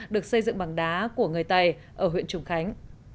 được xây dựng bằng đá của người tày ở huyện trùng khánh